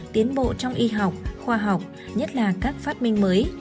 tiến bộ trong y học khoa học nhất là các phát minh mới